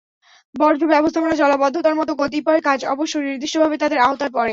বর্জ্য ব্যবস্থাপনা, জলাবদ্ধতার মতো কতিপয় কাজ অবশ্য নির্দিষ্টভাবে তাদের আওতায় পড়ে।